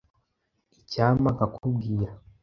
Icyampa nkakubwira.